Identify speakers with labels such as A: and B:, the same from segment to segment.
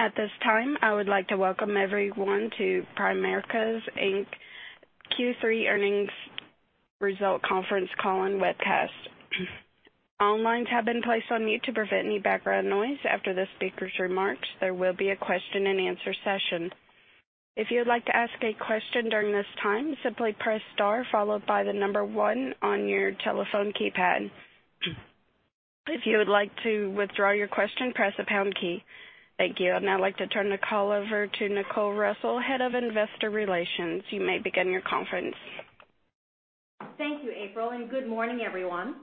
A: At this time, I would like to welcome everyone to Primerica, Inc.'s Q3 earnings result conference call and webcast. All lines have been placed on mute to prevent any background noise. After the speakers' remarks, there will be a question and answer session. If you would like to ask a question during this time, simply press star followed by the number one on your telephone keypad. If you would like to withdraw your question, press the pound key. Thank you. I'd now like to turn the call over to Nicole Russell, Head of Investor Relations. You may begin your conference.
B: Thank you, April, and good morning, everyone.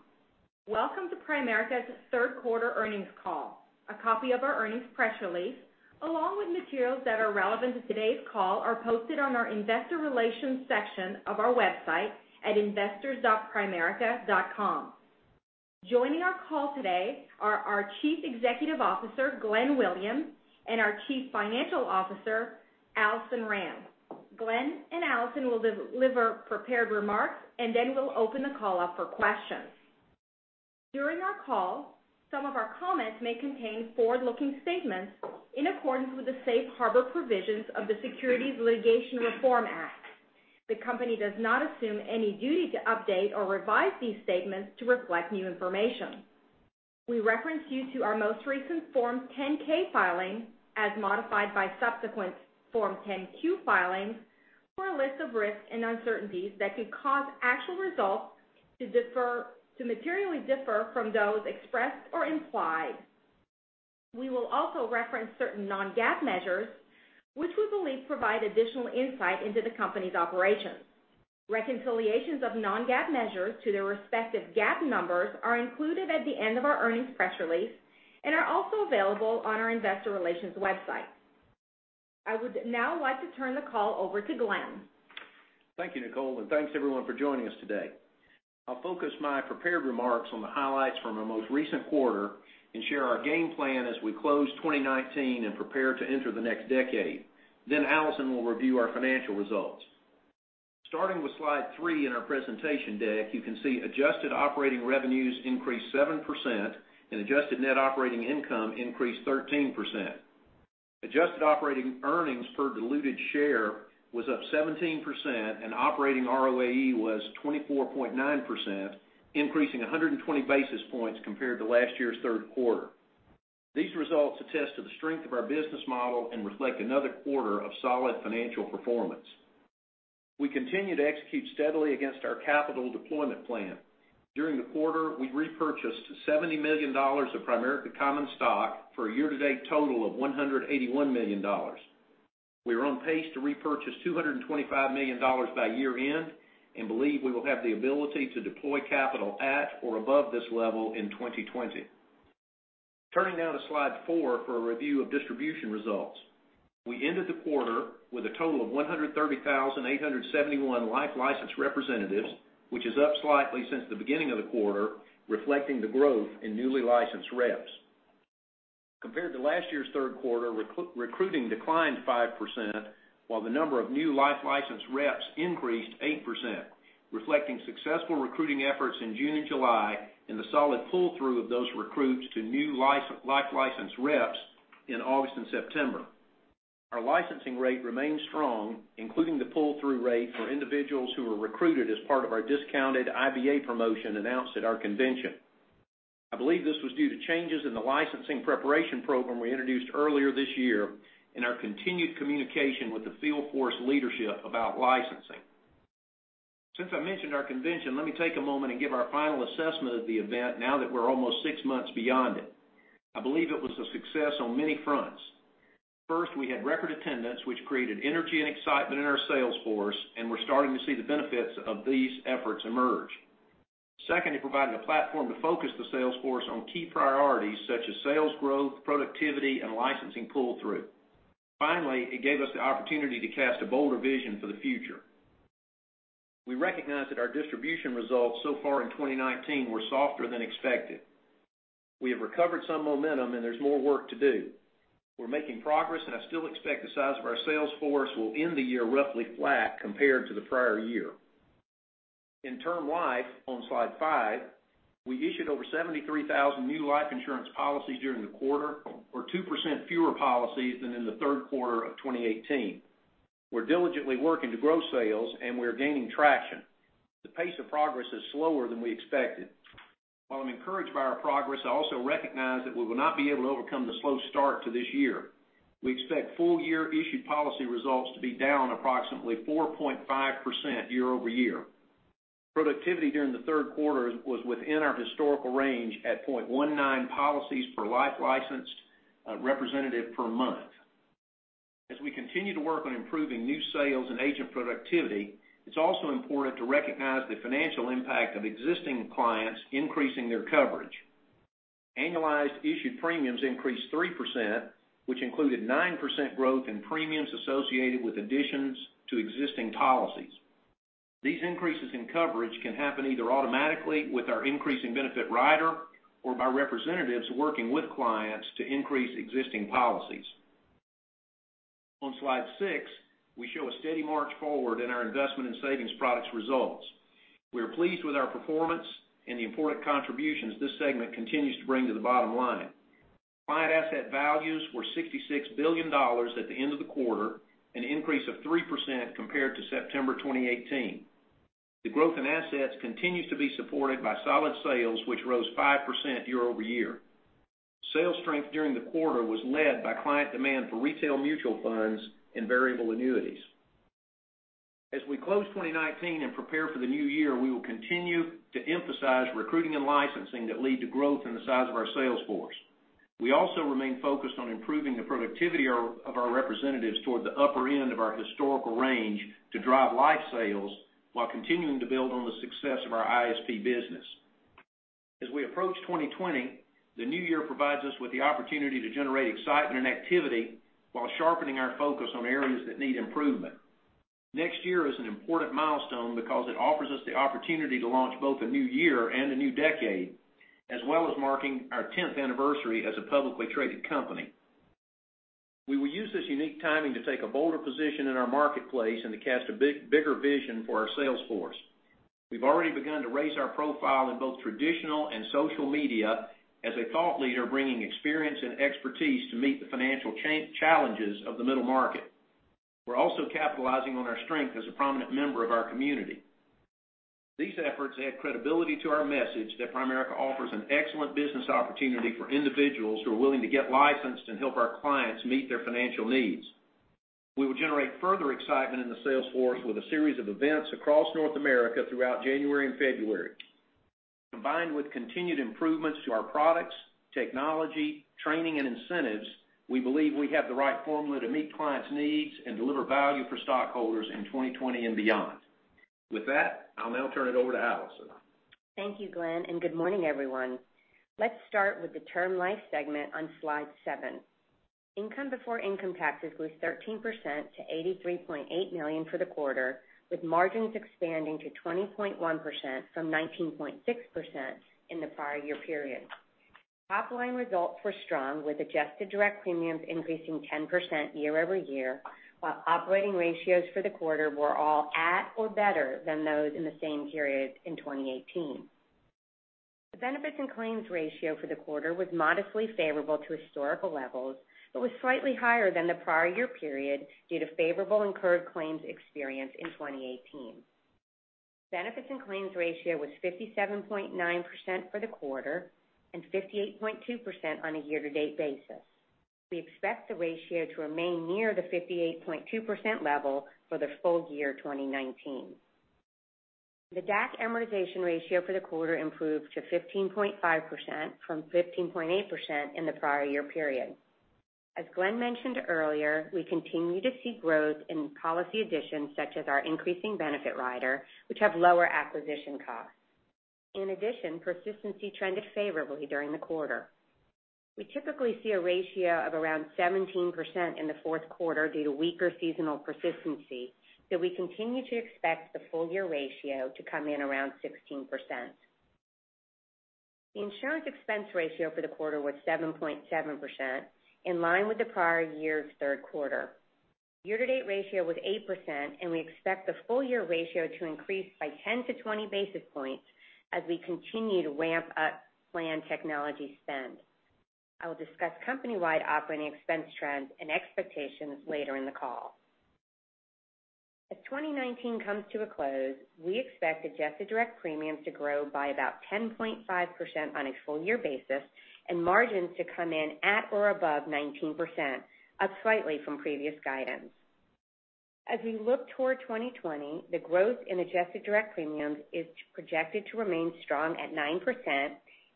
B: Welcome to Primerica's third quarter earnings call. A copy of our earnings press release, along with materials that are relevant to today's call, are posted on our investor relations section of our website at investors.primerica.com. Joining our call today are our Chief Executive Officer, Glenn Williams, and our Chief Financial Officer, Alison Rand. Glenn and Alison will deliver prepared remarks. Then we'll open the call up for questions. During our call, some of our comments may contain forward-looking statements in accordance with the safe harbor provisions of the Private Securities Litigation Reform Act. The company does not assume any duty to update or revise these statements to reflect new information. We reference you to our most recent Form 10-K filing, as modified by subsequent Form 10-Q filings, for a list of risks and uncertainties that could cause actual results to materially differ from those expressed or implied. We will also reference certain non-GAAP measures which we believe provide additional insight into the company's operations. Reconciliations of non-GAAP measures to their respective GAAP numbers are included at the end of our earnings press release and are also available on our investor relations website. I would now like to turn the call over to Glenn.
C: Thank you, Nicole. Thanks everyone for joining us today. I'll focus my prepared remarks on the highlights from our most recent quarter and share our game plan as we close 2019 and prepare to enter the next decade. Then Alison will review our financial results. Starting with Slide three in our presentation deck, you can see adjusted operating revenues increased 7% and adjusted net operating income increased 13%. Adjusted operating earnings per diluted share was up 17%, and operating ROAE was 24.9%, increasing 120 basis points compared to last year's third quarter. These results attest to the strength of our business model and reflect another quarter of solid financial performance. We continue to execute steadily against our capital deployment plan. During the quarter, we repurchased $70 million of Primerica common stock for a year-to-date total of $181 million. We are on pace to repurchase $225 million by year-end and believe we will have the ability to deploy capital at or above this level in 2020. Turning now to Slide four for a review of distribution results. We ended the quarter with a total of 130,871 life licensed representatives, which is up slightly since the beginning of the quarter, reflecting the growth in newly licensed reps. Compared to last year's third quarter, recruiting declined 5%, while the number of new life licensed reps increased 8%, reflecting successful recruiting efforts in June and July and the solid pull-through of those recruits to new life licensed reps in August and September. Our licensing rate remains strong, including the pull-through rate for individuals who were recruited as part of our discounted IBA promotion announced at our convention. I believe this was due to changes in the licensing preparation program we introduced earlier this year and our continued communication with the field force leadership about licensing. Since I mentioned our convention, let me take a moment and give our final assessment of the event now that we're almost six months beyond it. I believe it was a success on many fronts. First, we had record attendance, which created energy and excitement in our sales force. We're starting to see the benefits of these efforts emerge. Second, it provided a platform to focus the sales force on key priorities such as sales growth, productivity, and licensing pull-through. Finally, it gave us the opportunity to cast a bolder vision for the future. We recognize that our distribution results so far in 2019 were softer than expected. We have recovered some momentum. There's more work to do. We're making progress. I still expect the size of our sales force will end the year roughly flat compared to the prior year. In Term Life, on Slide five, we issued over 73,000 new life insurance policies during the quarter or 2% fewer policies than in the third quarter of 2018. We're diligently working to grow sales. We are gaining traction. The pace of progress is slower than we expected. While I'm encouraged by our progress, I also recognize that we will not be able to overcome the slow start to this year. We expect full-year issued policy results to be down approximately 4.5% year-over-year. Productivity during the third quarter was within our historical range at 0.19 policies per life licensed representative per month. As we continue to work on improving new sales and agent productivity, it's also important to recognize the financial impact of existing clients increasing their coverage. Annualized issued premiums increased 3%, which included 9% growth in premiums associated with additions to existing policies. These increases in coverage can happen either automatically with our Benefit Increase Rider or by representatives working with clients to increase existing policies. On Slide six, we show a steady march forward in our Investment and Savings Products results. We are pleased with our performance. The important contributions this segment continues to bring to the bottom line. Client asset values were $66 billion at the end of the quarter, an increase of 3% compared to September 2018. The growth in assets continues to be supported by solid sales, which rose 5% year-over-year. Sales strength during the quarter was led by client demand for retail Mutual Funds and Variable Annuities. As we close 2019 and prepare for the new year, we will continue to emphasize recruiting and licensing that lead to growth in the size of our sales force. We also remain focused on improving the productivity of our representatives toward the upper end of our historical range to drive life sales, while continuing to build on the success of our ISP business. As we approach 2020, the new year provides us with the opportunity to generate excitement and activity while sharpening our focus on areas that need improvement. Next year is an important milestone because it offers us the opportunity to launch both a new year and a new decade, as well as marking our 10th anniversary as a publicly traded company. We will use this unique timing to take a bolder position in our marketplace and to cast a bigger vision for our sales force. We've already begun to raise our profile in both traditional and social media as a thought leader, bringing experience and expertise to meet the financial challenges of the middle market. We're also capitalizing on our strength as a prominent member of our community. These efforts add credibility to our message that Primerica offers an excellent business opportunity for individuals who are willing to get licensed and help our clients meet their financial needs. We will generate further excitement in the sales force with a series of events across North America throughout January and February. Combined with continued improvements to our products, technology, training, and incentives, we believe we have the right formula to meet clients' needs and deliver value for stockholders in 2020 and beyond. With that, I'll now turn it over to Alison.
D: Thank you, Glenn. Good morning, everyone. Let's start with the Term Life segment on Slide seven. Income before income taxes was 13% to $83.8 million for the quarter, with margins expanding to 20.1% from 19.6% in the prior year period. Top-line results were strong, with adjusted direct premiums increasing 10% year-over-year, while operating ratios for the quarter were all at or better than those in the same period in 2018. The benefits and claims ratio for the quarter was modestly favorable to historical levels but was slightly higher than the prior year period due to favorable incurred claims experience in 2018. Benefits and claims ratio was 57.9% for the quarter and 58.2% on a year-to-date basis. We expect the ratio to remain near the 58.2% level for the full year 2019. The DAC amortization ratio for the quarter improved to 15.5% from 15.8% in the prior year period. As Glenn mentioned earlier, we continue to see growth in policy additions such as our increasing benefit rider, which have lower acquisition costs. In addition, persistency trended favorably during the quarter. We typically see a ratio of around 17% in the fourth quarter due to weaker seasonal persistency. We continue to expect the full-year ratio to come in around 16%. The insurance expense ratio for the quarter was 7.7%, in line with the prior year's third quarter. Year-to-date ratio was 8%, and we expect the full-year ratio to increase by 10 to 20 basis points as we continue to ramp up plan technology spend. I will discuss company-wide operating expense trends and expectations later in the call. As 2019 comes to a close, we expect adjusted direct premiums to grow by about 10.5% on a full-year basis and margins to come in at or above 19%, up slightly from previous guidance. As we look toward 2020, the growth in adjusted direct premiums is projected to remain strong at 9%,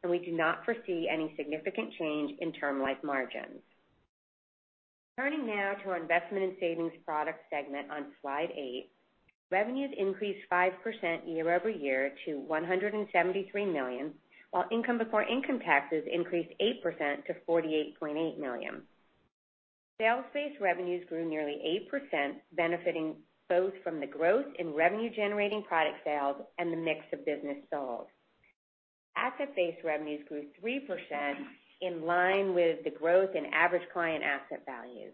D: and we do not foresee any significant change in Term Life margins. Turning now to our Investment and Savings Products segment on Slide eight. Revenues increased 5% year-over-year to $173 million, while income before income taxes increased 8% to $48.8 million. Sales-based revenues grew nearly 8%, benefiting both from the growth in revenue-generating product sales and the mix of business sold. Asset-based revenues grew 3%, in line with the growth in average client asset values.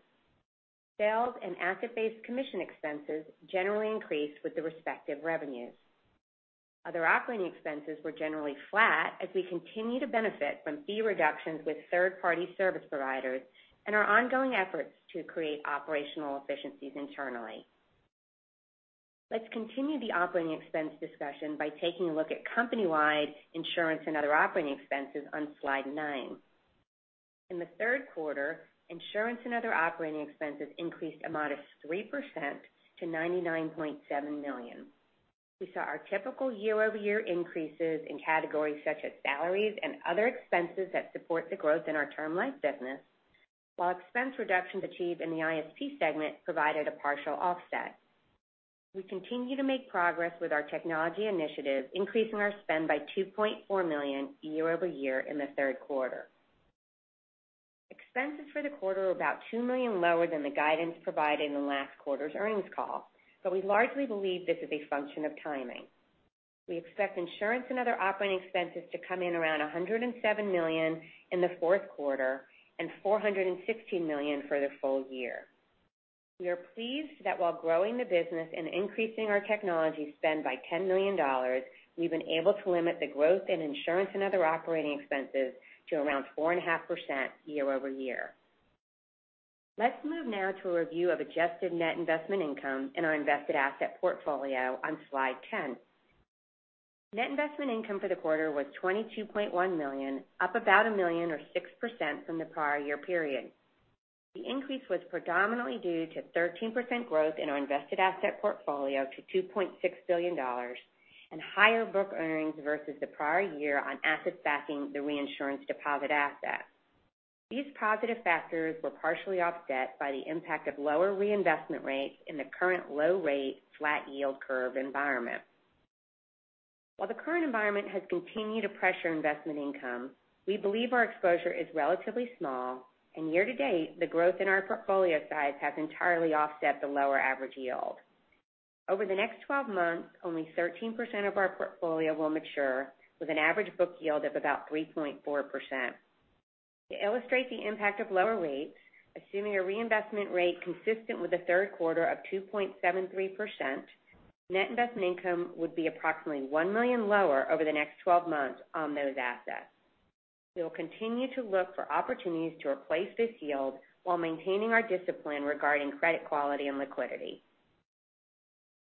D: Sales and asset-based commission expenses generally increased with the respective revenues. Other operating expenses were generally flat as we continue to benefit from fee reductions with third-party service providers and our ongoing efforts to create operational efficiencies internally. Let's continue the operating expense discussion by taking a look at company-wide insurance and other operating expenses on Slide nine. In the third quarter, insurance and other operating expenses increased a modest 3% to $99.7 million. We saw our typical year-over-year increases in categories such as salaries and other expenses that support the growth in our Term Life business. While expense reductions achieved in the ISP segment provided a partial offset. We continue to make progress with our technology initiative, increasing our spend by $2.4 million year-over-year in the third quarter. Expenses for the quarter were about $2 million lower than the guidance provided in last quarter's earnings call. We largely believe this is a function of timing. We expect insurance and other operating expenses to come in around $107 million in the fourth quarter and $416 million for the full year. We are pleased that while growing the business and increasing our technology spend by $10 million, we've been able to limit the growth in insurance and other operating expenses to around 4.5% year-over-year. Let's move now to a review of adjusted net investment income in our invested asset portfolio on Slide 10. Net investment income for the quarter was $22.1 million, up about $1 million or 6% from the prior year period. The increase was predominantly due to 13% growth in our invested asset portfolio to $2.6 billion and higher book earnings versus the prior year on assets backing the reinsurance deposit assets. These positive factors were partially offset by the impact of lower reinvestment rates in the current low rate, flat yield curve environment. While the current environment has continued to pressure investment income, we believe our exposure is relatively small, and year-to-date, the growth in our portfolio size has entirely offset the lower average yield. Over the next 12 months, only 13% of our portfolio will mature with an average book yield of about 3.4%. To illustrate the impact of lower rates, assuming a reinvestment rate consistent with the third quarter of 2.73%, net investment income would be approximately $1 million lower over the next 12 months on those assets. We will continue to look for opportunities to replace this yield while maintaining our discipline regarding credit quality and liquidity.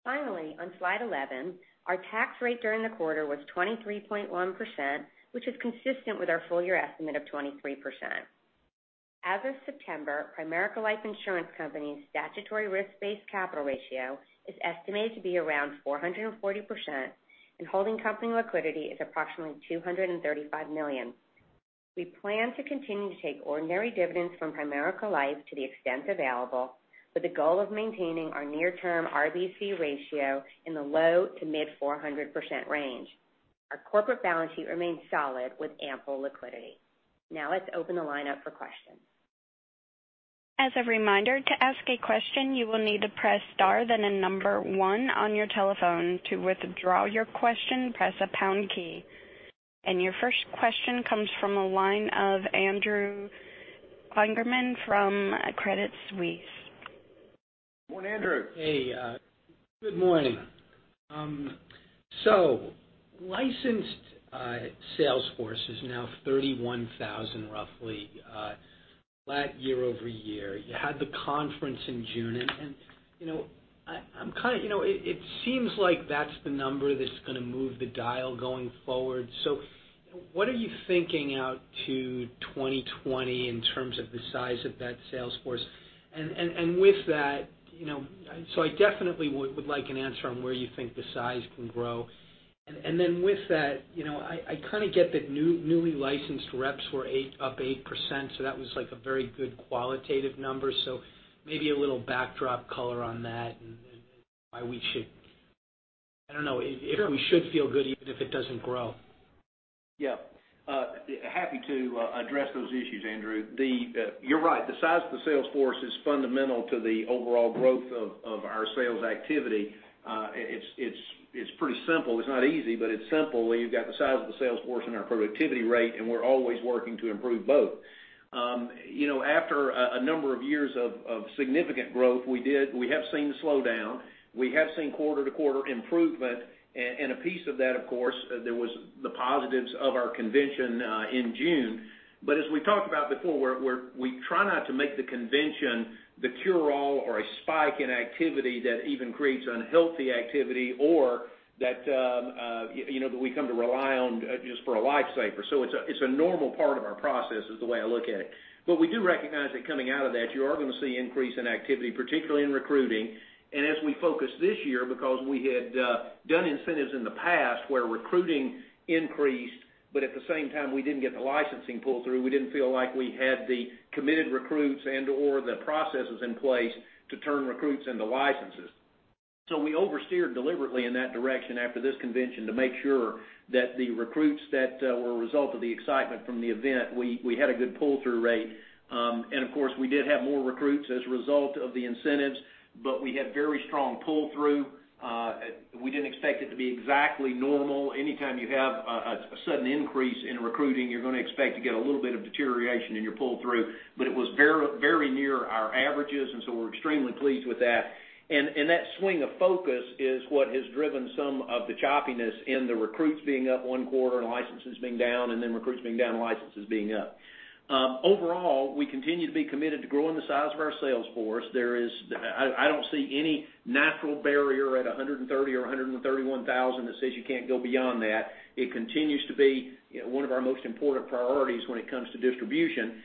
D: Finally, on Slide 11, our tax rate during the quarter was 23.1%, which is consistent with our full-year estimate of 23%. As of September, Primerica Life Insurance Company's statutory risk-based capital ratio is estimated to be around 440%, and holding company liquidity is approximately $235 million. We plan to continue to take ordinary dividends from Primerica Life to the extent available, with the goal of maintaining our near-term RBC ratio in the low to mid 400% range. Our corporate balance sheet remains solid with ample liquidity. Let's open the line up for questions.
A: As a reminder, to ask a question, you will need to press star, then the number 1 on your telephone. To withdraw your question, press the pound key. Your first question comes from the line of Andrew Kligerman from Credit Suisse.
C: Good morning, Andrew.
E: Hey, good morning. Licensed sales force is now 31,000 roughly flat year-over-year. You had the conference in June and it seems like that's the number that's going to move the dial going forward. What are you thinking out to 2020 in terms of the size of that sales force? With that, I definitely would like an answer on where you think the size can grow. With that, I kind of get that newly licensed reps were up 8%, so that was a very good qualitative number. Maybe a little backdrop color on that and why we should feel good even if it doesn't grow.
C: Yeah. Happy to address those issues, Andrew. You're right. The size of the sales force is fundamental to the overall growth of our sales activity. It's pretty simple. It's not easy, but it's simple when you've got the size of the sales force and our productivity rate, and we're always working to improve both. After a number of years of significant growth, we have seen a slowdown. We have seen quarter-to-quarter improvement. A piece of that, of course, there was the positives of our convention in June. As we talked about before, we try not to make the convention the cure-all or a spike in activity that even creates unhealthy activity or that we come to rely on just for a lifesaver. It's a normal part of our process is the way I look at it. We do recognize that coming out of that, you are going to see increase in activity, particularly in recruiting. As we focus this year, because we had done incentives in the past where recruiting increased, but at the same time, we didn't get the licensing pull-through. We didn't feel like we had the committed recruits and/or the processes in place to turn recruits into licenses. We oversteered deliberately in that direction after this convention to make sure that the recruits that were a result of the excitement from the event, we had a good pull-through rate. Of course, we did have more recruits as a result of the incentives, but we had very strong pull-through. We didn't expect it to be exactly normal. Anytime you have a sudden increase in recruiting, you're going to expect to get a little bit of deterioration in your pull-through. It was very near our averages, and so we're extremely pleased with that. That swing of focus is what has driven some of the choppiness in the recruits being up one quarter and licenses being down, and then recruits being down, licenses being up. Overall, we continue to be committed to growing the size of our sales force. I don't see any natural barrier at 130 or 131,000 that says you can't go beyond that. It continues to be one of our most important priorities when it comes to distribution.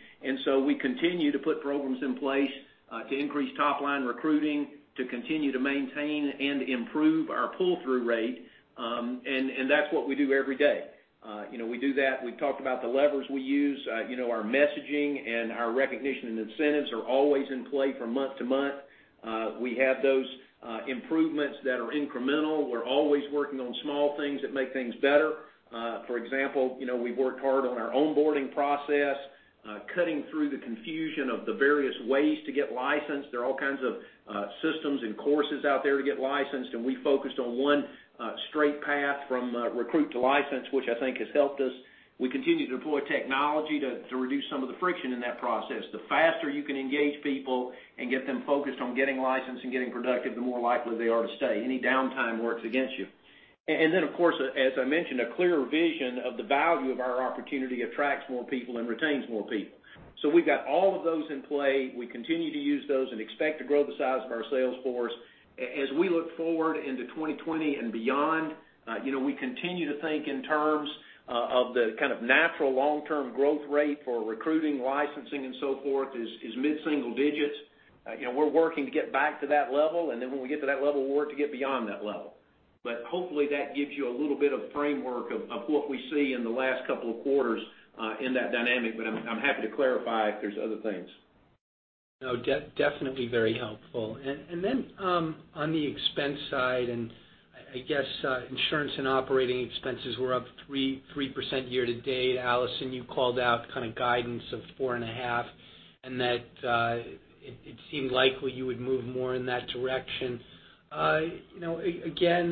C: We continue to put programs in place to increase top-line recruiting, to continue to maintain and improve our pull-through rate. That's what we do every day. We do that. We've talked about the levers we use. Our messaging and our recognition and incentives are always in play from month to month. We have those improvements that are incremental. We're always working on small things that make things better. For example, we've worked hard on our onboarding process, cutting through the confusion of the various ways to get licensed. There are all kinds of systems and courses out there to get licensed, and we focused on one straight path from recruit to license, which I think has helped us. We continue to deploy technology to reduce some of the friction in that process. The faster you can engage people and get them focused on getting licensed and getting productive, the more likely they are to stay. Any downtime works against you. Then, of course, as I mentioned, a clear vision of the value of our opportunity attracts more people and retains more people. We've got all of those in play. We continue to use those and expect to grow the size of our sales force. As we look forward into 2020 and beyond, we continue to think in terms of the kind of natural long-term growth rate for recruiting, licensing, and so forth is mid-single digits. We're working to get back to that level. Then when we get to that level, we'll work to get beyond that level. Hopefully that gives you a little bit of framework of what we see in the last couple of quarters in that dynamic. I'm happy to clarify if there's other things.
E: No, definitely very helpful. Then, on the expense side, I guess insurance and operating expenses were up 3% year to date. Alison, you called out kind of guidance of 4.5%, and that it seemed likely you would move more in that direction. Again,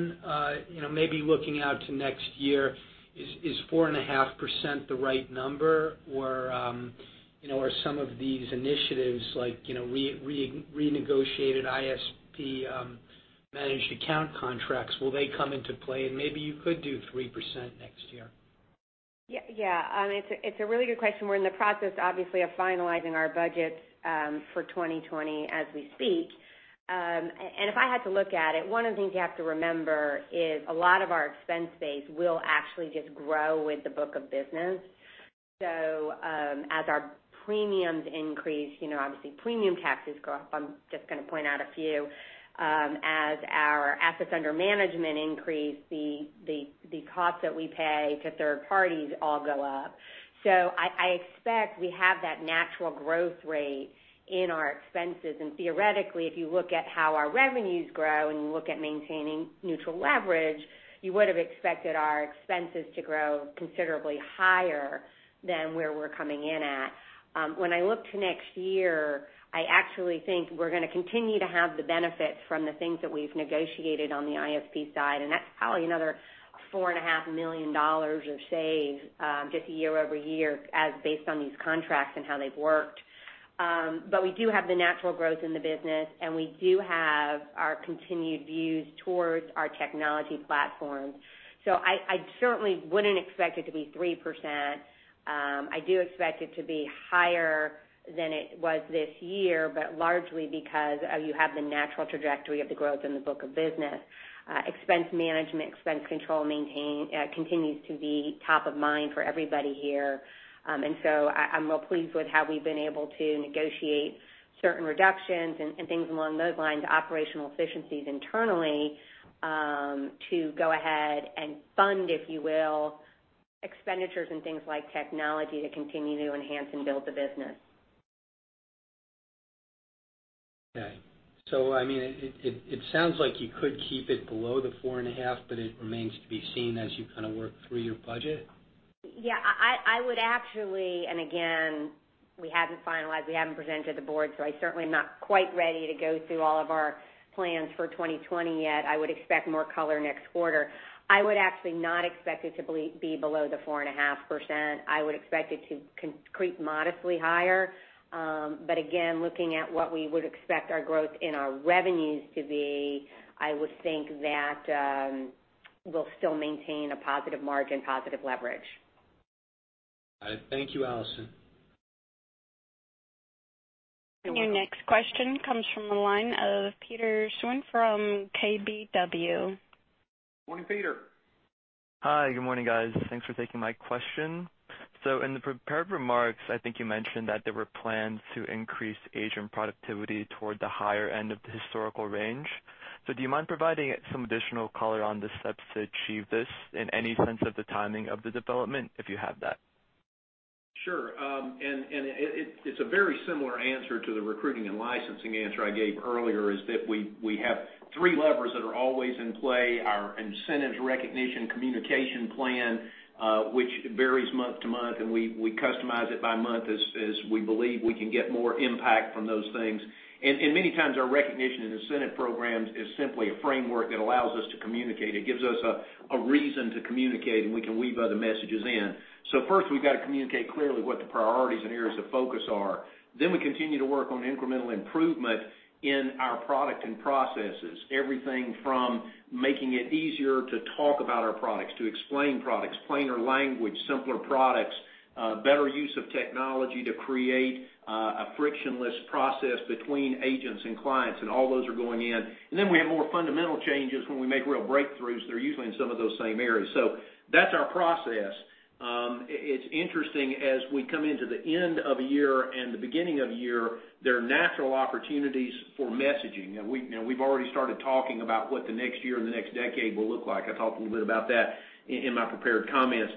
E: maybe looking out to next year, is 4.5% the right number? Or some of these initiatives, like renegotiated ISP Managed Accounts contracts, will they come into play and maybe you could do 3% next year?
D: Yeah. It's a really good question. We're in the process, obviously, of finalizing our budgets for 2020 as we speak. If I had to look at it, one of the things you have to remember is a lot of our expense base will actually just grow with the book of business. As our premiums increase, obviously premium taxes go up. I'm just going to point out a few. As our assets under management increase, the costs that we pay to third parties all go up. I expect we have that natural growth rate in our expenses. Theoretically, if you look at how our revenues grow and you look at maintaining neutral leverage, you would have expected our expenses to grow considerably higher than where we're coming in at. I actually think we're going to continue to have the benefits from the things that we've negotiated on the ISP side. That's probably another $4.5 million of save just year-over-year as based on these contracts and how they've worked. We do have the natural growth in the business. We do have our continued views towards our technology platforms. I certainly wouldn't expect it to be 3%. I do expect it to be higher than it was this year, but largely because you have the natural trajectory of the growth in the book of business. Expense management, expense control continues to be top of mind for everybody here. I'm real pleased with how we've been able to negotiate certain reductions and things along those lines, operational efficiencies internally, to go ahead and fund, if you will, expenditures and things like technology to continue to enhance and build the business.
E: Okay. It sounds like you could keep it below the 4.5%, but it remains to be seen as you kind of work through your budget?
D: Yeah. I would actually. Again, we haven't finalized. We haven't presented to the board. I certainly am not quite ready to go through all of our plans for 2020 yet. I would expect more color next quarter. I would actually not expect it to be below the 4.5%. I would expect it to creep modestly higher. Again, looking at what we would expect our growth in our revenues to be, I would think that we'll still maintain a positive margin, positive leverage.
E: All right. Thank you, Alison.
A: Your next question comes from the line of Peter Xuan from KBW.
C: Morning, Peter.
F: Hi. Good morning, guys. Thanks for taking my question. In the prepared remarks, I think you mentioned that there were plans to increase agent productivity toward the higher end of the historical range. Do you mind providing some additional color on the steps to achieve this and any sense of the timing of the development, if you have that?
C: It's a very similar answer to the recruiting and licensing answer I gave earlier, is that we have three levers that are always in play. Our incentive recognition communication plan, which varies month to month, we customize it by month as we believe we can get more impact from those things. Many times, our recognition and incentive programs is simply a framework that allows us to communicate. It gives us a reason to communicate, and we can weave other messages in. First, we've got to communicate clearly what the priorities and areas of focus are. We continue to work on incremental improvement in our product and processes. Everything from making it easier to talk about our products, to explain products, plainer language, simpler products, better use of technology to create a frictionless process between agents and clients, and all those are going in. We have more fundamental changes when we make real breakthroughs. They're usually in some of those same areas. That's our process. It's interesting as we come into the end of a year and the beginning of a year, there are natural opportunities for messaging. We've already started talking about what the next year and the next decade will look like. I talked a little bit about that in my prepared comments.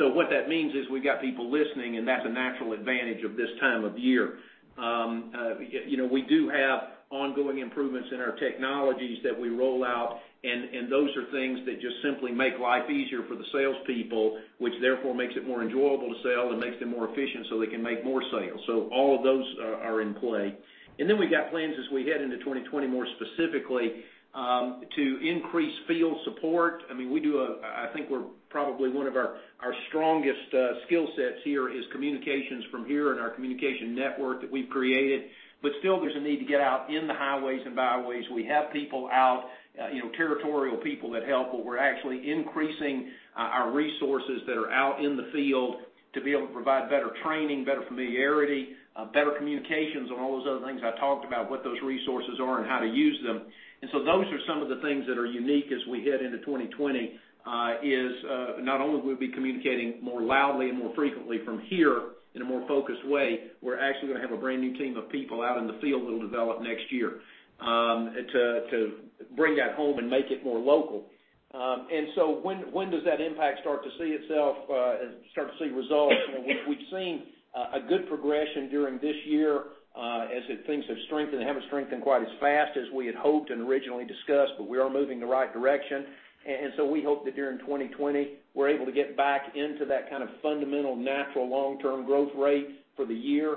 C: What that means is we've got people listening, and that's a natural advantage of this time of year. We do have ongoing improvements in our technologies that we roll out, and those are things that just simply make life easier for the salespeople, which therefore makes it more enjoyable to sell and makes them more efficient so they can make more sales. All of those are in play. We've got plans as we head into 2020, more specifically, to increase field support. I think we're probably one of our strongest skill sets here is communications from here and our communication network that we've created. Still, there's a need to get out in the highways and byways. We have people out, territorial people that help, but we're actually increasing our resources that are out in the field to be able to provide better training, better familiarity, better communications on all those other things I talked about, what those resources are and how to use them. Those are some of the things that are unique as we head into 2020, is not only will we be communicating more loudly and more frequently from here in a more focused way, we're actually going to have a brand new team of people out in the field that'll develop next year to bring that home and make it more local. When does that impact start to see results? We've seen a good progression during this year as things have strengthened. They haven't strengthened quite as fast as we had hoped and originally discussed, we are moving in the right direction. We hope that during 2020, we're able to get back into that kind of fundamental, natural long-term growth rate for the year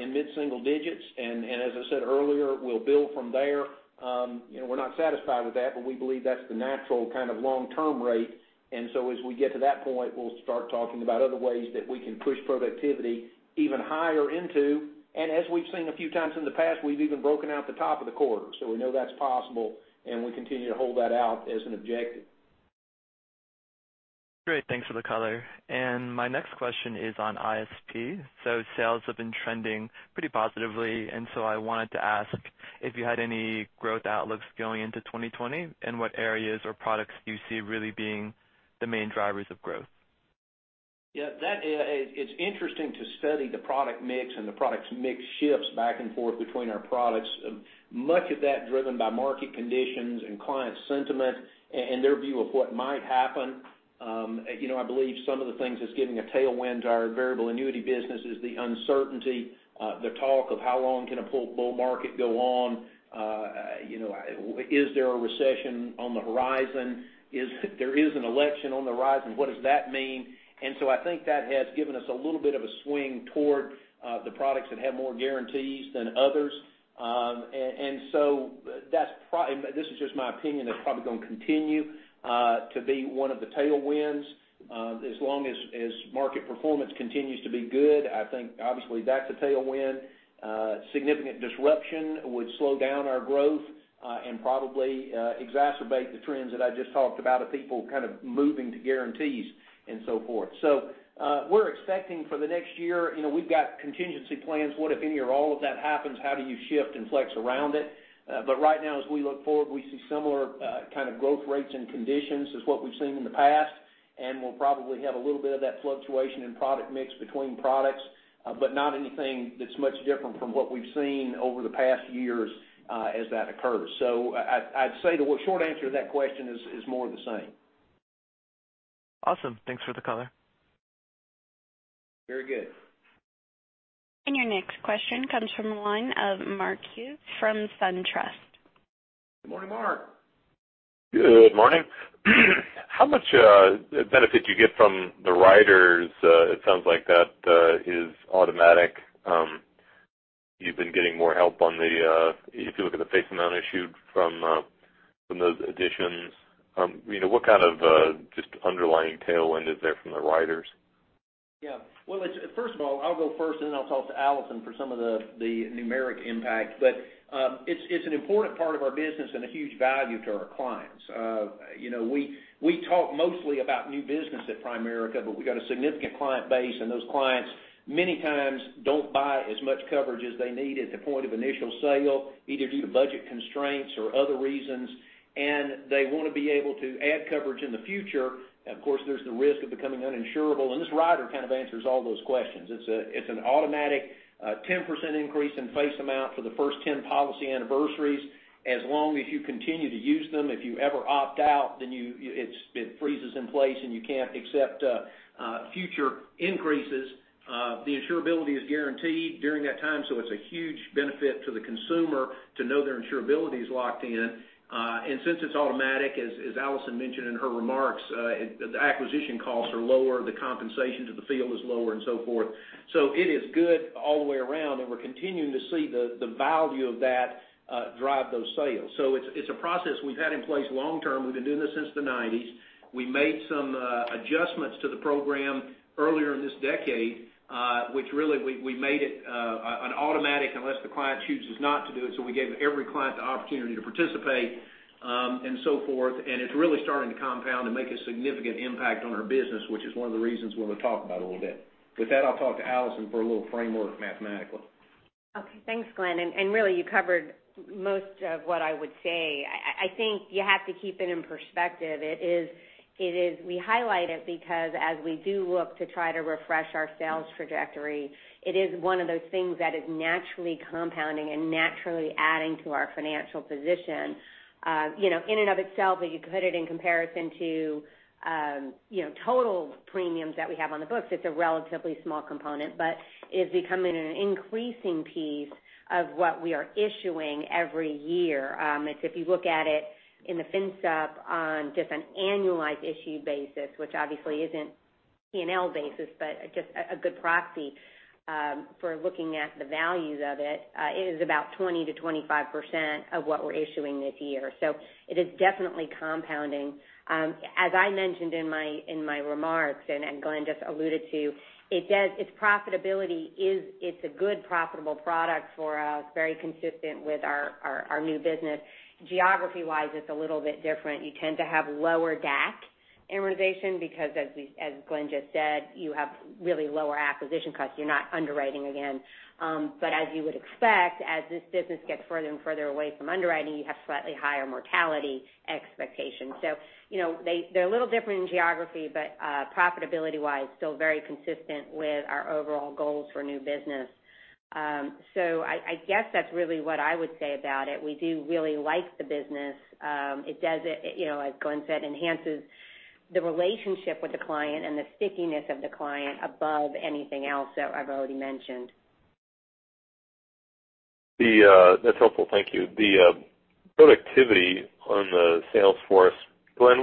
C: in mid-single digits. As I said earlier, we'll build from there. We're not satisfied with that, but we believe that's the natural kind of long-term rate. As we get to that point, we'll start talking about other ways that we can push productivity even higher into, and as we've seen a few times in the past, we've even broken out the top of the quarter. We know that's possible, and we continue to hold that out as an objective.
F: Great, thanks for the color. My next question is on ISP. Sales have been trending pretty positively, I wanted to ask if you had any growth outlooks going into 2020 and what areas or products do you see really being the main drivers of growth?
C: Yeah. It's interesting to study the product mix and the product mix shifts back and forth between our products, much of that driven by market conditions and client sentiment and their view of what might happen. I believe some of the things that's giving a tailwind to our variable annuity business is the uncertainty, the talk of how long can a bull market go on? Is there a recession on the horizon? There is an election on the horizon, what does that mean? I think that has given us a little bit of a swing toward the products that have more guarantees than others. This is just my opinion, that's probably going to continue to be one of the tailwinds. As long as market performance continues to be good, I think obviously that's a tailwind. Significant disruption would slow down our growth and probably exacerbate the trends that I just talked about of people kind of moving to guarantees and so forth. We're expecting for the next year, we've got contingency plans. What if any or all of that happens, how do you shift and flex around it? Right now, as we look forward, we see similar kind of growth rates and conditions as what we've seen in the past, and we'll probably have a little bit of that fluctuation in product mix between products, but not anything that's much different from what we've seen over the past years as that occurs. I'd say the short answer to that question is more of the same.
F: Awesome. Thanks for the color.
C: Very good.
A: Your next question comes from the line of Mark Hughes from SunTrust.
C: Good morning, Mark.
G: Good morning. How much benefit do you get from the riders? It sounds like that is automatic. You've been getting more help if you look at the face amount issued from those additions. What kind of just underlying tailwind is there from the riders?
C: Well, first of all, I'll go first. Then I'll talk to Alison for some of the numeric impact. It's an important part of our business and a huge value to our clients. We talk mostly about new business at Primerica, but we've got a significant client base. Those clients many times don't buy as much coverage as they need at the point of initial sale, either due to budget constraints or other reasons, and they want to be able to add coverage in the future. Of course, there's the risk of becoming uninsurable. This rider kind of answers all those questions. It's an automatic 10% increase in face amount for the first 10 policy anniversaries as long as you continue to use them. If you ever opt out, then it freezes in place and you can't accept future increases. The insurability is guaranteed during that time. It's a huge benefit to the consumer to know their insurability is locked in. Since it's automatic, as Alison mentioned in her remarks, the acquisition costs are lower, the compensation to the field is lower and so forth. It is good all the way around. We're continuing to see the value of that drive those sales. It's a process we've had in place long-term. We've been doing this since the '90s. We made some adjustments to the program earlier in this decade, which really we made it an automatic unless the client chooses not to do it. We gave every client the opportunity to participate, and so forth. It's really starting to compound and make a significant impact on our business, which is one of the reasons we're going to talk about a little bit. With that, I'll talk to Alison for a little framework mathematically.
D: Okay. Thanks, Glenn, and really you covered most of what I would say. I think you have to keep it in perspective. We highlight it because as we do look to try to refresh our sales trajectory, it is one of those things that is naturally compounding and naturally adding to our financial position. In and of itself, if you put it in comparison to total premiums that we have on the books, it's a relatively small component, but it is becoming an increasing piece of what we are issuing every year. If you look at it in the fin sub on just an annualized issue basis, which obviously isn't P&L basis, but just a good proxy for looking at the values of it is about 20%-25% of what we're issuing this year. It is definitely compounding. As I mentioned in my remarks, and Glenn just alluded to, its profitability it's a good profitable product for us, very consistent with our new business. Geography-wise, it's a little bit different. You tend to have lower DAC amortization because as Glenn just said, you have really lower acquisition costs. You're not underwriting again. As you would expect, as this business gets further and further away from underwriting, you have slightly higher mortality expectations. They're a little different in geography, but profitability-wise, still very consistent with our overall goals for new business. I guess that's really what I would say about it. We do really like the business. As Glenn said, it enhances the relationship with the client and the stickiness of the client above anything else that I've already mentioned.
G: That's helpful. Thank you. The productivity on the sales force, Glenn,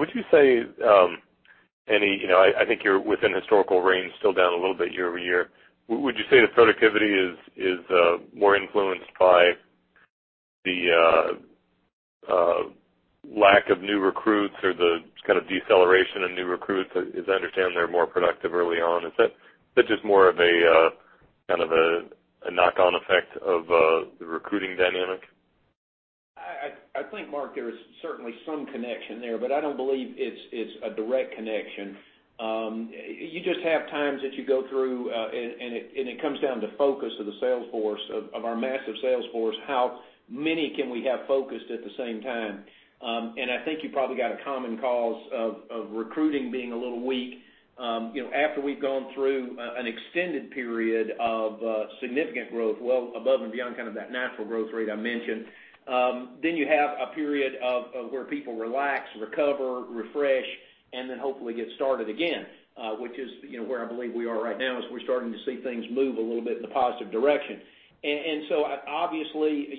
G: I think you're within historical range, still down a little bit year-over-year. Would you say the productivity is more influenced by the lack of new recruits or the kind of deceleration in new recruits? As I understand, they're more productive early on. Is that just more of a knock-on effect of the recruiting dynamic?
C: I think, Mark, there is certainly some connection there, but I don't believe it's a direct connection. You just have times that you go through, and it comes down to focus of the sales force, of our massive sales force, how many can we have focused at the same time? I think you probably got a common cause of recruiting being a little weak. After we've gone through an extended period of significant growth, well above and beyond kind of that natural growth rate I mentioned, then you have a period of where people relax, recover, refresh, and then hopefully get started again, which is where I believe we are right now as we're starting to see things move a little bit in a positive direction. Obviously,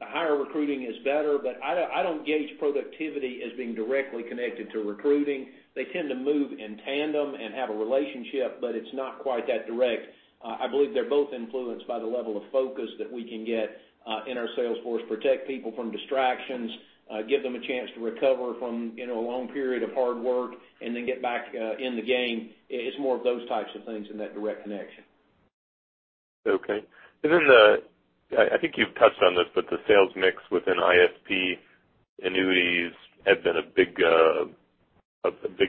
C: higher recruiting is better, but I don't gauge productivity as being directly connected to recruiting. They tend to move in tandem and have a relationship, but it's not quite that direct. I believe they're both influenced by the level of focus that we can get in our sales force, protect people from distractions, give them a chance to recover from a long period of hard work, and then get back in the game. It's more of those types of things than that direct connection.
G: Okay. I think you've touched on this, but the sales mix within ISP annuities have been a big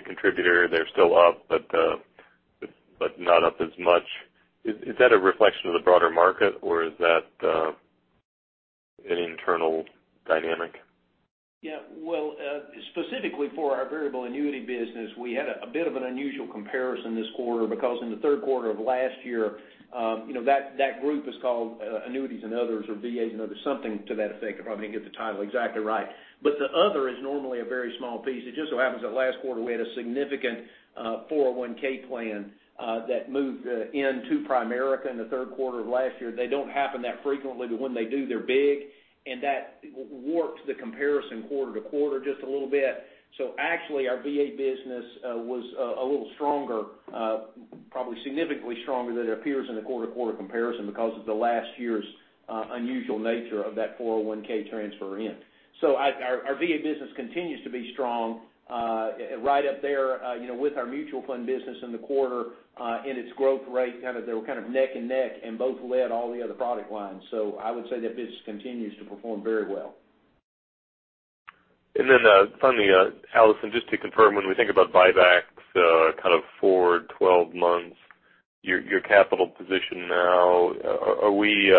G: contributor. They're still up, but not up as much. Is that a reflection of the broader market or is that an internal dynamic?
C: Yeah. Well, specifically for our variable annuity business, we had a bit of an unusual comparison this quarter because in the third quarter of last year, that group is called annuities and others or VAs and others, something to that effect. I probably didn't get the title exactly right. The other is normally a very small piece. It just so happens that last quarter we had a significant 401(k) plan that moved into Primerica in the third quarter of last year. They don't happen that frequently, but when they do, they're big, and that warps the comparison quarter-to-quarter just a little bit. Actually, our VA business was a little stronger, probably significantly stronger than it appears in the quarter-to-quarter comparison because of the last year's unusual nature of that 401(k) transfer in. Our VA business continues to be strong, right up there with our mutual fund business in the quarter and its growth rate. They were kind of neck and neck, and both led all the other product lines. I would say that business continues to perform very well.
G: Finally, Alison, just to confirm, when we think about buybacks kind of forward 12 months, your capital position now, are we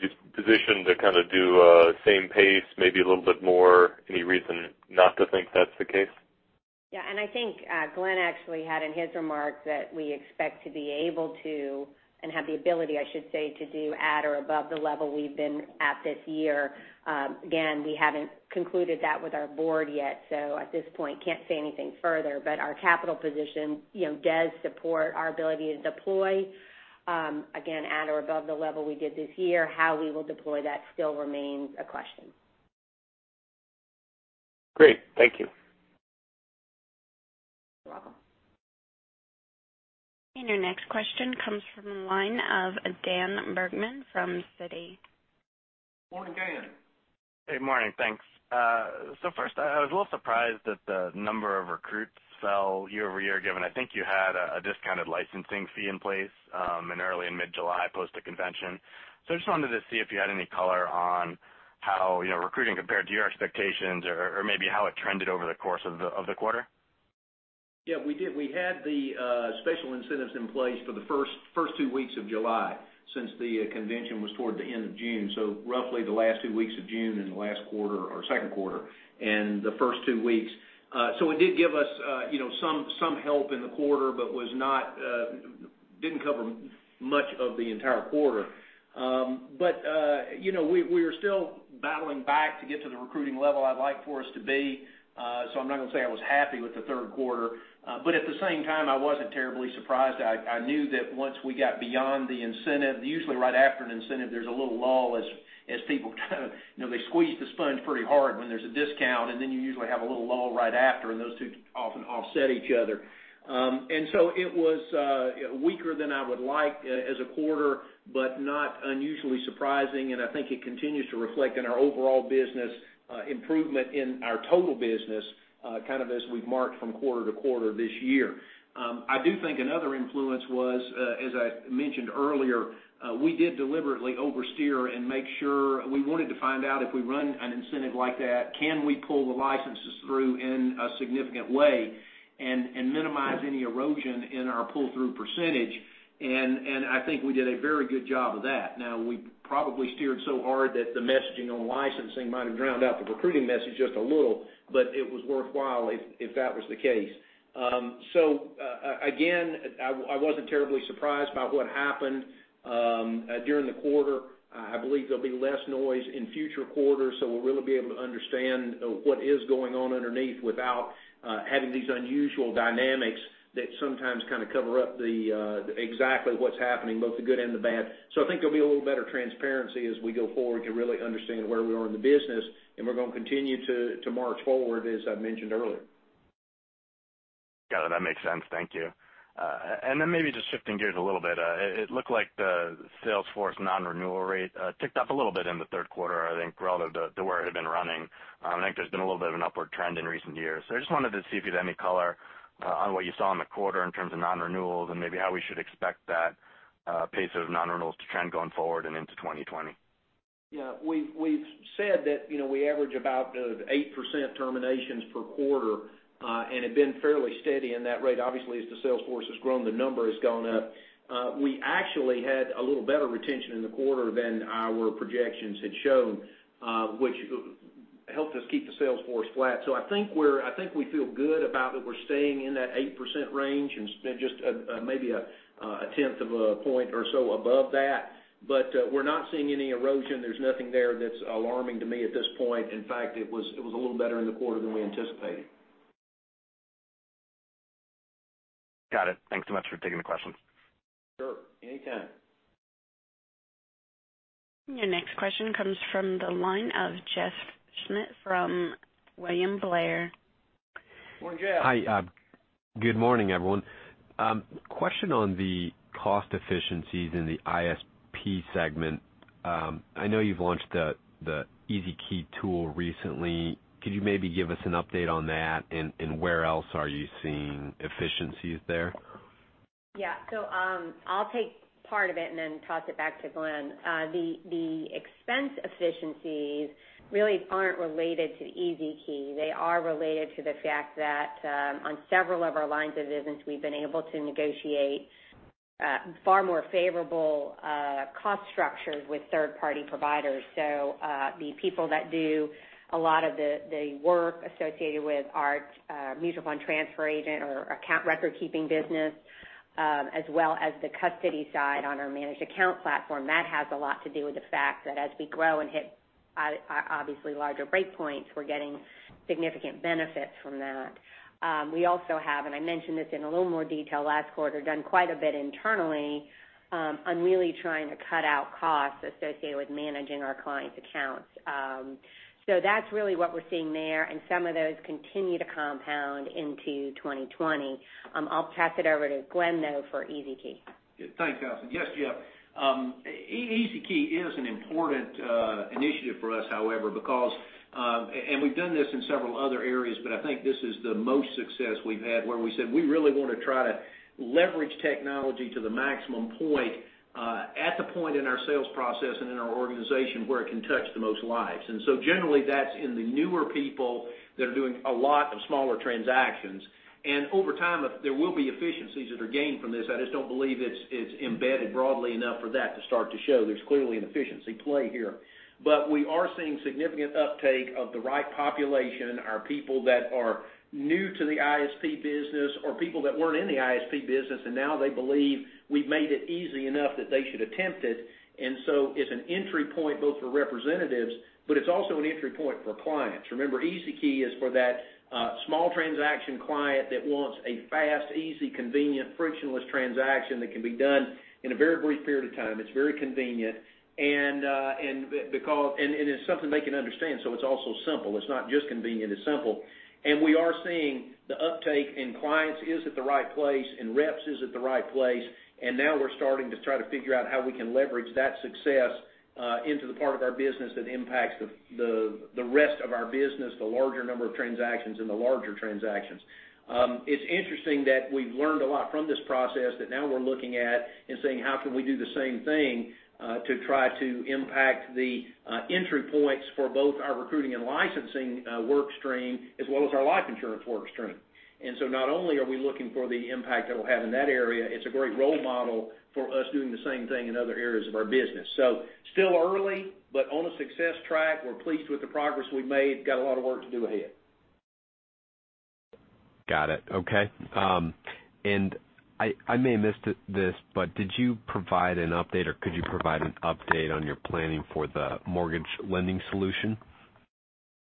G: just positioned to kind of do same pace, maybe a little bit more? Any reason not to think that's the case?
D: I think Glenn actually had in his remarks that we expect to be able to, and have the ability, I should say, to do at or above the level we've been at this year. Again, we haven't concluded that with our board yet, at this point, can't say anything further. Our capital position does support our ability to deploy, again, at or above the level we did this year. How we will deploy that still remains a question.
G: Great. Thank you.
D: You're welcome.
A: Your next question comes from the line of Daniel Bergman from Citi.
C: Morning, Dan.
H: Hey, morning. Thanks. First, I was a little surprised that the number of recruits fell year-over-year, given I think you had a discounted licensing fee in place in early and mid-July post the convention. I just wanted to see if you had any color on how recruiting compared to your expectations or maybe how it trended over the course of the quarter.
C: Yeah, we did. We had the special incentives in place for the first two weeks of July since the convention was toward the end of June, roughly the last two weeks of June in the last quarter or second quarter and the first two weeks. It did give us some help in the quarter, but didn't cover much of the entire quarter. We are still battling back to get to the recruiting level I'd like for us to be, so I'm not going to say I was happy with the third quarter. At the same time, I wasn't terribly surprised. I knew that once we got beyond the incentive, usually right after an incentive, there's a little lull as people they squeeze the sponge pretty hard when there's a discount, then you usually have a little lull right after, and those two often offset each other. It was weaker than I would like as a quarter, but not unusually surprising, and I think it continues to reflect in our overall business improvement in our total business, kind of as we've marked from quarter to quarter this year. I do think another influence was, as I mentioned earlier, we did deliberately oversteer and make sure we wanted to find out if we run an incentive like that, can we pull the licenses through in a significant way and minimize any erosion in our pull-through percentage? I think we did a very good job of that. Now, we probably steered so hard that the messaging on licensing might have drowned out the recruiting message just a little, but it was worthwhile if that was the case. Again, I wasn't terribly surprised by what happened during the quarter. I believe there'll be less noise in future quarters, we'll really be able to understand what is going on underneath without having these unusual dynamics that sometimes kind of cover up exactly what's happening, both the good and the bad. I think there'll be a little better transparency as we go forward to really understand where we are in the business, and we're going to continue to march forward as I mentioned earlier.
H: Got it. That makes sense. Thank you. Then maybe just shifting gears a little bit. It looked like the sales force non-renewal rate ticked up a little bit in the third quarter, I think relative to where it had been running. I think there's been a little bit of an upward trend in recent years. I just wanted to see if you had any color on what you saw in the quarter in terms of non-renewals, and maybe how we should expect that pace of non-renewals to trend going forward and into 2020.
C: Yeah. We've said that we average about 8% terminations per quarter, and have been fairly steady in that rate. Obviously, as the sales force has grown, the number has gone up. We actually had a little better retention in the quarter than our projections had shown, which helped us keep the sales force flat. I think we feel good about that we're staying in that 8% range and just maybe a tenth of a point or so above that. We're not seeing any erosion. There's nothing there that's alarming to me at this point. In fact, it was a little better in the quarter than we anticipated.
H: Got it. Thanks so much for taking the question.
C: Sure. Anytime.
A: Your next question comes from the line of Jeff Schmitt from William Blair.
C: Morning, Jeff.
I: Hi. Good morning, everyone. Question on the cost efficiencies in the ISP segment. I know you've launched the EZ-Key tool recently. Could you maybe give us an update on that? Where else are you seeing efficiencies there?
D: Yeah. I'll take part of it and then toss it back to Glenn. The expense efficiencies really aren't related to EZ-Key. They are related to the fact that, on several of our lines of business, we've been able to negotiate far more favorable cost structures with third-party providers. The people that do a lot of the work associated with our Mutual Funds transfer agent or account recordkeeping business, as well as the custody side on our Managed Accounts platform, that has a lot to do with the fact that as we grow and hit obviously larger break points, we're getting significant benefits from that. We also have, and I mentioned this in a little more detail last quarter, done quite a bit internally on really trying to cut out costs associated with managing our clients' accounts. That's really what we're seeing there, and some of those continue to compound into 2020. I'll pass it over to Glenn, though, for EZ-Key.
C: Thanks, Alison. Yes, Jeff. EZ-Key is an important initiative for us, however, because we've done this in several other areas, but I think this is the most success we've had where we said we really want to try to leverage technology to the maximum point, at the point in our sales process and in our organization where it can touch the most lives. Generally, that's in the newer people that are doing a lot of smaller transactions. Over time, there will be efficiencies that are gained from this. I just don't believe it's embedded broadly enough for that to start to show. There's clearly an efficiency play here. We are seeing significant uptake of the right population, our people that are new to the ISP business or people that weren't in the ISP business, now they believe we've made it easy enough that they should attempt it. It's an entry point both for representatives, but it's also an entry point for clients. Remember, EZ-Key is for that small transaction client that wants a fast, easy, convenient, frictionless transaction that can be done in a very brief period of time. It's very convenient, and it's something they can understand, so it's also simple. It's not just convenient, it's simple. We are seeing the uptake in clients is at the right place, and reps is at the right place. Now we're starting to try to figure out how we can leverage that success into the part of our business that impacts the rest of our business, the larger number of transactions and the larger transactions. It's interesting that we've learned a lot from this process, that now we're looking at and saying, how can we do the same thing, to try to impact the entry points for both our recruiting and licensing work stream as well as our life insurance work stream. Not only are we looking for the impact that'll have in that area, it's a great role model for us doing the same thing in other areas of our business. Still early, but on a success track. We're pleased with the progress we've made. Got a lot of work to do ahead.
I: Got it. Okay. I may have missed this, but did you provide an update, or could you provide an update on your planning for the mortgage lending solution?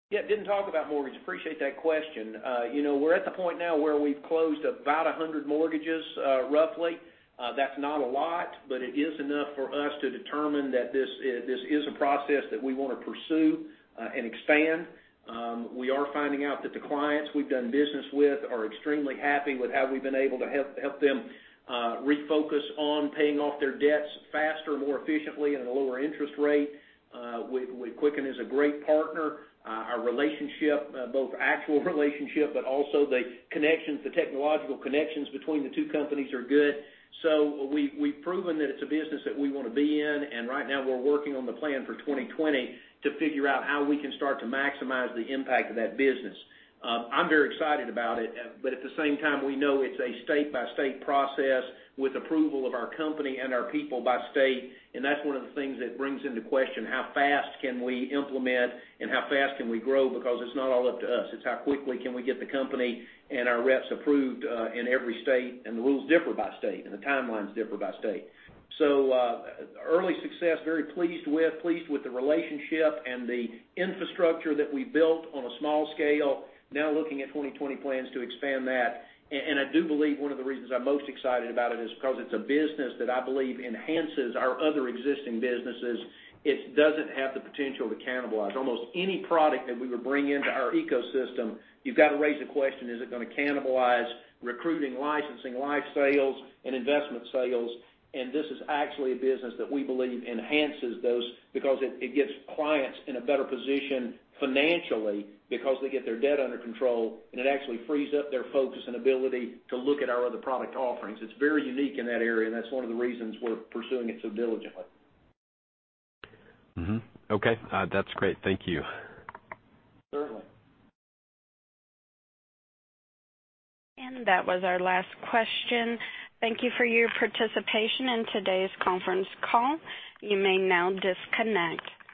C: Yeah. Didn't talk about mortgage. Appreciate that question. We're at the point now where we've closed about 100 mortgages, roughly. That's not a lot, but it is enough for us to determine that this is a process that we want to pursue, and expand. We are finding out that the clients we've done business with are extremely happy with how we've been able to help them refocus on paying off their debts faster, more efficiently, and at a lower interest rate. Quicken is a great partner. Our relationship, both actual relationship, but also the connections, the technological connections between the two companies are good. We've proven that it's a business that we want to be in, and right now we're working on the plan for 2020 to figure out how we can start to maximize the impact of that business. I'm very excited about it, at the same time, we know it's a state-by-state process with approval of our company and our people by state. That's one of the things that brings into question how fast can we implement and how fast can we grow, because it's not all up to us. It's how quickly can we get the company and our reps approved, in every state. The rules differ by state, and the timelines differ by state. Early success, very pleased with. Pleased with the relationship and the infrastructure that we built on a small scale. Now looking at 2020 plans to expand that. I do believe one of the reasons I'm most excited about it is because it's a business that I believe enhances our other existing businesses. It doesn't have the potential to cannibalize. Almost any product that we would bring into our ecosystem, you've got to raise the question, is it going to cannibalize recruiting, licensing, life sales, and investment sales? This is actually a business that we believe enhances those because it gets clients in a better position financially because they get their debt under control, and it actually frees up their focus and ability to look at our other product offerings. It's very unique in that area, that's one of the reasons we're pursuing it so diligently.
I: Okay. That's great. Thank you.
C: Certainly.
A: That was our last question. Thank you for your participation in today's conference call. You may now disconnect.